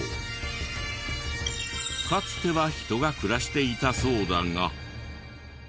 かつては人が暮らしていたそうだが。